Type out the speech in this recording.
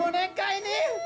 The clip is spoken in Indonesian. apa jadi boneka ini